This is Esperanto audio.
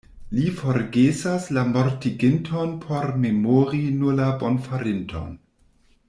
Li forgesas la mortiginton por memori nur la bonfarinton.